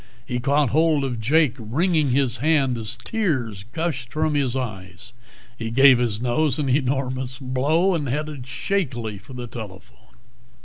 He caught hold of Jake, wringing his hand as tears gushed from his eyes. He gave his nose an enormous blow, and headed shakily for the telephone.